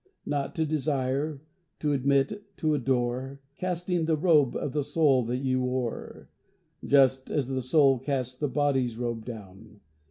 Not to desire, to admit, to adore, Casting the robe of the soul that you wore Just as the soul casts the body's robe down.